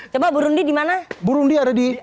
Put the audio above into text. coba burundi di mana burundi ada di